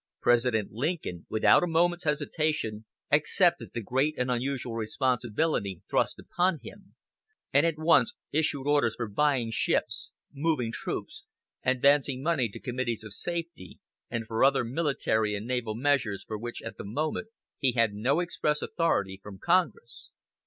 President Lincoln, without a moment's hesitation accepted the great and unusual responsibility thrust upon him, and at once issued orders for buying ships, moving troops, advancing money to Committees of Safety, and for other military and naval measures for which at the moment he had no express authority from Congress.